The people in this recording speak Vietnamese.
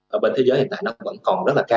ở bên thế giới hiện tại nó vẫn còn rất là cao